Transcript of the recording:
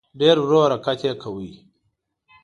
ډېر ورو حرکت یې کاوه.